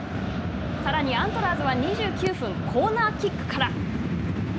さらにアントラーズは２９分コーナーキックから。